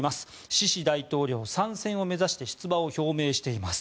シシ大統領、３選を目指して出馬をしています。